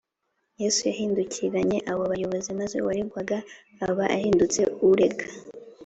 Yesu yahindukiranye abo bayobozi, maze uwaregwaga aba ahindutse urega.